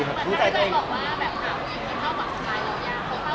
แต่ถ้าไม่ได้บอกว่าแบบหาผู้หญิงจะเข้ามากกว่าใกล้หรือยาก